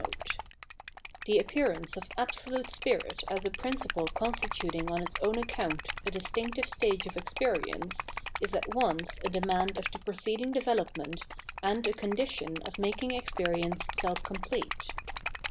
(CO) EELIGION [The appearance of Absolute Spirit as a principle constituting on its own account a distinctive stage of experience is at once a demand of the preceding development and a condition of making experience self complete.